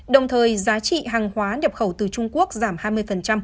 đồng thời giá trị hàng hóa nhập khẩu từ trung quốc giảm hai mươi